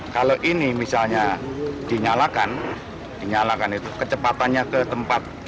kalau ini misalnya dinyalakan kecepatannya ke tempat